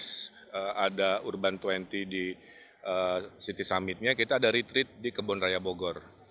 ada urban dua puluh di city summitnya kita ada retreat di kebun raya bogor